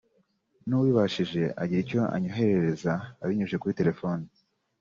nubibashije agira icyo anyoherereza abinyujije kuri telefoni